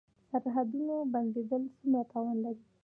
د سرحدونو بندیدل څومره تاوان و؟